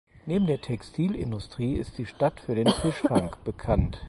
Neben der Textilindustrie ist die Stadt für den Fischfang bekannt.